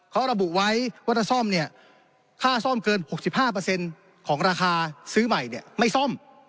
เขาระบุไว้ว่าถ้าซ่อมเนี่ยค่าซ่อมเกิน๖๕ของราคาซื้อใหม่ไม่ซ่อม